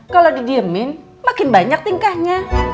kalau didiemin makin banyak tingkahnya